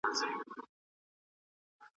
په مبارکو احاديثو کي د ښځو لپاره کوم معيارونه دي؟